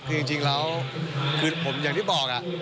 คือจริงแล้วคือผมอย่างที่บอก